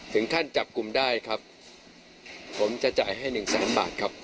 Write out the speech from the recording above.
ถึงขั้นจับกลุ่มได้ครับผมจะจ่ายให้หนึ่งแสนบาทครับ